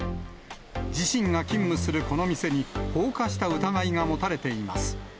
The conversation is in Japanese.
自身が勤務するこの店に放火した疑いが持たれています。